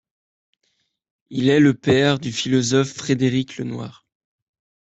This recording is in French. Il est le père du philosophe Frédéric Lenoir.